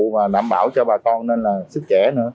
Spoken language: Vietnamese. và đảm bảo cho bà con nên là sức trẻ nữa